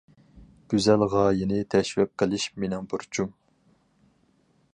گۈزەل غايىنى تەشۋىق قىلىش مېنىڭ بۇرچۇم.